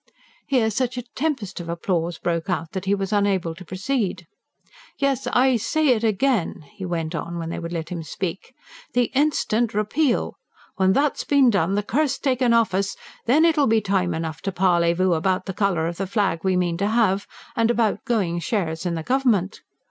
Here, such a tempest of applause broke out that he was unable to proceed. "Yes, I say it again," he went on, when they would let him speak; "the instant repeal! When that's been done, this curse taken off us, then it'll be time enough to parlez vous about the colour of the flag we mean to have, and about going shares in the Government.